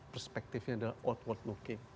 perspektifnya adalah outward looking